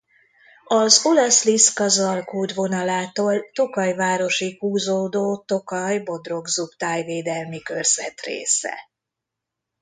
Az Olaszliszka-Zalkod vonalától Tokaj városig húzódó Tokaj–Bodrogzug Tájvédelmi Körzet része.